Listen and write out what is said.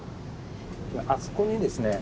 あそこにですね